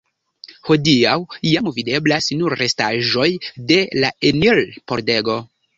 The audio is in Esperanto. Hodiaŭ jam videblas nur restaĵoj de la enir-pordego.